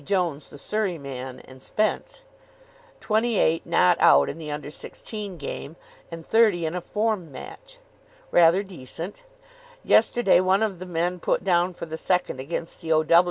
Jones, the Surrey man, and Spence); 28 not out in the Under Sixteen game; and 30 in a form match. Rather decent. Yesterday one of the men put down for the second against the O.